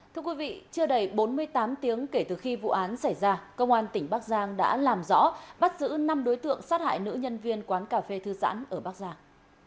thưa quý vị chưa đầy bốn mươi tám tiếng kể từ khi vụ án xảy ra công an tỉnh bắc giang đã làm rõ bắt giữ năm đối tượng sát hại nữ nhân viên quán cà phê thư giãn ở bắc giang